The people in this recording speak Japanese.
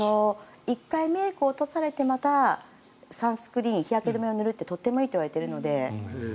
１回、メイクを落とされてまたサンスクリーン日焼け止めを塗るのはとてもいいといわれているので。